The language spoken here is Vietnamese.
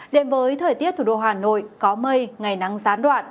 đến với thời tiết thủ đô hà nội có mây ngày nắng gián đoạn